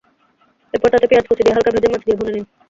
এরপর তাতে পেঁয়াজ কুচি দিয়ে হালকা ভেজে মাছ দিয়ে ভুনে নিন।